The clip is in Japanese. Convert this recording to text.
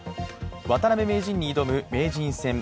渡辺名人に挑む名人戦